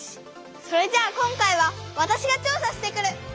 それじゃあ今回はわたしが調さしてくる！